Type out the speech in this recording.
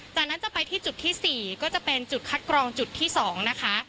จากนั้นจะไปที่จุดที่๔ก็จะเป็นจุดคัดกรองจุดที่๒นะคะ